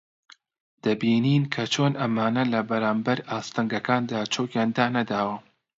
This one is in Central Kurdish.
دەبینین کە چۆن ئەمانە لە بەرانبەر ئاستەنگەکاندا چۆکیان دانەداوە